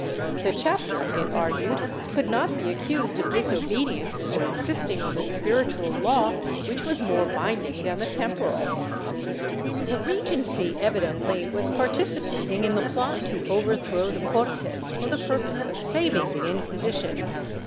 The Chapter, it argued, could not be accused of disobedience for insisting on the spiritual law which was more binding than the temporal/ The Regency evidently was participating in the plot to overthrow the Cortes for the purpose of saving the Inquisition.